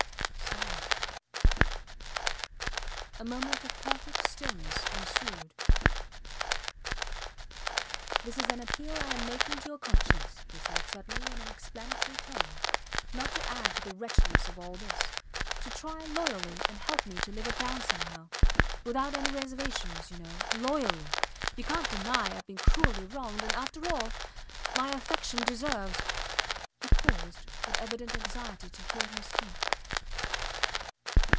... Silence. A moment of perfect stillness ensued. This is an appeal I am making to your conscience, he said, suddenly, in an explanatory tone, not to add to the wretchedness of all this: to try loyally and help me to live it down somehow. Without any reservations you know. Loyally! You cant deny Ive been cruelly wronged and after all my affection deserves ... He paused with evident anxiety to hear her speak.